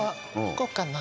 こうかな？